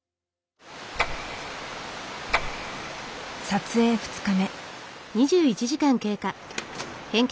撮影２日目。